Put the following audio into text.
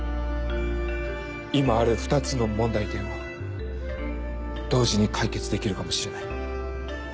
今ある２つの問題点を同時に解決できるかもしれない。